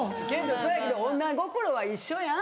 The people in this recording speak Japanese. そやけど女心は一緒やん